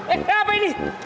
eh apa ini